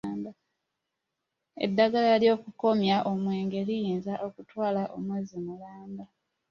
Eddagala ly'okukomya omwenge liyinza okutwala omwezi mulamba.